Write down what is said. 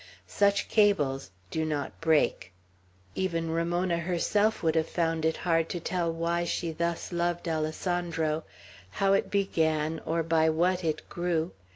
Such cables do not break. Even Ramona herself would have found it hard to tell why she thus loved Alessandro; how it began, or by what it grew.